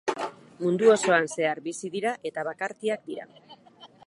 Mundu osoan zehar bizi dira eta bakartiak dira.